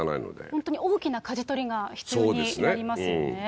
本当に大きなかじ取りが必要になりますよね。